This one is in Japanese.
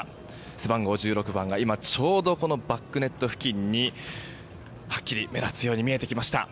背番号１６番が今ちょうどこのバックネット付近にはっきり目立つように見えてきました。